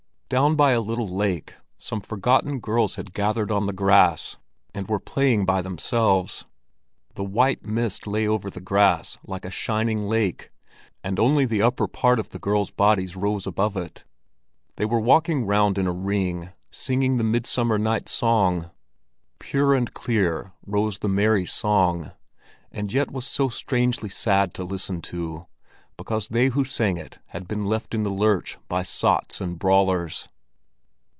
Down by a little lake, some forgotten girls had gathered on the grass and were playing by themselves. The white mist lay over the grass like a shining lake, and only the upper part of the girls' bodies rose above it. They were walking round in a ring, singing the mid summer's night song. Pure and clear rose the merry song, and yet was so strangely sad to listen to, because they who sang it had been left in the lurch by sots and brawlers.